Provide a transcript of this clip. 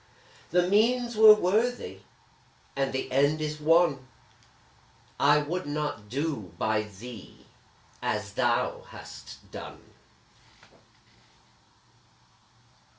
The means were worthy, and the end is won I would not do by thee as thou hast done!